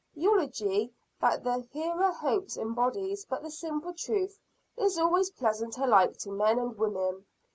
Eulogy that the hearer hopes embodies but the simple truth, is always pleasant alike to men and women.